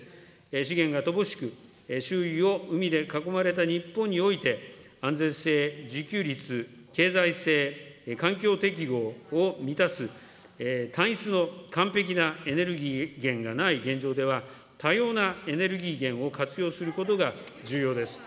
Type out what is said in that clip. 資源が乏しく、周囲を海で囲まれた日本において、安全性、自給率、経済性、環境適合を満たす単一の完璧なエネルギー源がない現状では、多様なエネルギー源を活用することが重要です。